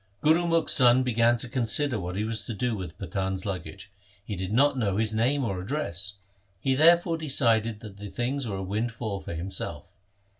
Gurumukh's son began to con sider what he was to do with the Pathan' s luggage. He did not know his name or address. He therefore decided that the things were a windfall for himself.